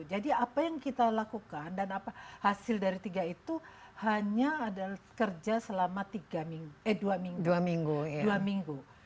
jadi apa yang kita lakukan dan hasil dari tiga itu hanya adalah kerja selama dua minggu